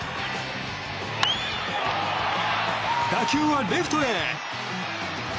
打球はレフトへ。